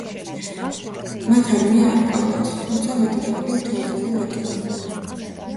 მათ არმია არ ჰყავდათ, თუმცა მათი გემები მთელ ზღვაზე ბატონობდნენ.